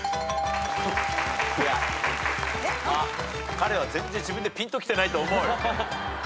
彼は全然自分でぴんときてないと思うよ。